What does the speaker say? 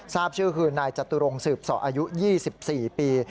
ทราบชื่อคือนายจตุรงสืบสออายุ๒๔ปี